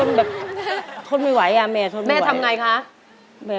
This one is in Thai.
ง้องแงอย่างไรบ้างคะแม่